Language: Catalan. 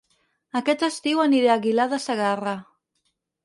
Aquest estiu aniré a Aguilar de Segarra